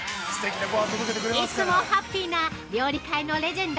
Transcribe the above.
◆いつもハッピーな料理界のレジェンド！